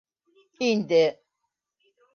Инде!